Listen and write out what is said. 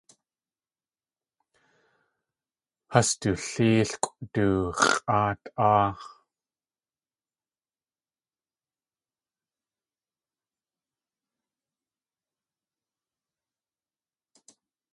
Has du léelkʼw du x̲ʼáat .áa.